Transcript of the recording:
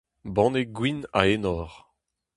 Banne gwin a enor.